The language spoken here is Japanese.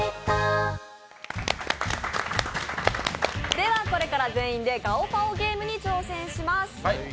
ではこれから全員で「ガオパオゲーム」に挑戦します。